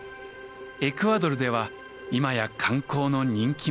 エクアドルでは今や観光の人気者です。